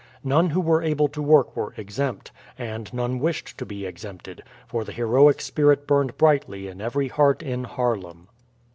None who were able to work were exempt, and none wished to be exempted, for the heroic spirit burned brightly in every heart in Haarlem.